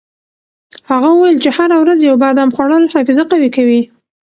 هغه وویل چې هره ورځ یو بادام خوړل حافظه قوي کوي.